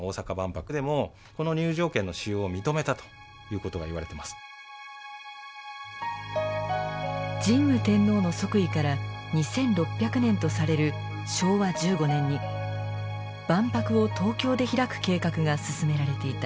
ここにチケットございまして神武天皇の即位から２，６００年とされる昭和１５年に万博を東京で開く計画が進められていた。